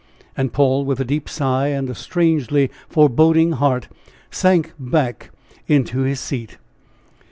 And Paul, with a deep sigh and a strangely foreboding heart, sank back into his seat.